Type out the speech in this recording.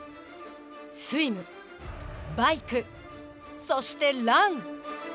スイム、バイク、そしてラン。